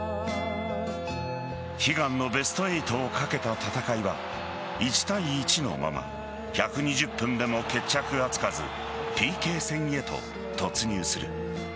悲願のベスト８をかけた戦いは１対１のまま１２０分でも決着がつかずＰＫ戦へと突入する。